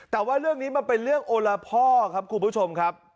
แต่ว่าเรื่องนี้มันเป็นเรื่องโอละพ่อครับคุณผู้ชมครับ